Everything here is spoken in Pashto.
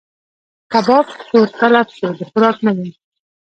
کباب تور تلب شو؛ د خوراک نه دی.